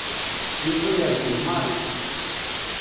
Yuba yergem Mary.